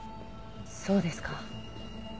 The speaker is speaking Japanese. そうですか。